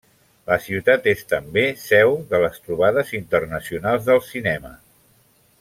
La ciutat és també seu de les trobades internacionals del Cinema.